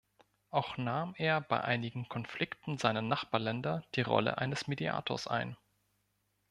Auch nahm er bei einigen Konflikten seiner Nachbarländer die Rolle eines Mediators ein.